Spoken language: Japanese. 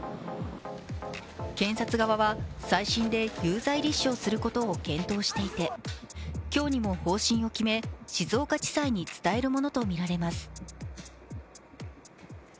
検察側は再審で有罪立証することを検討していて今日にも方針を決め静岡地裁に伝えるものとみられます。